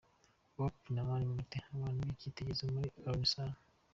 Hope na Mani Martin, abantu b'icyitegererezo kuri Alyn Sano.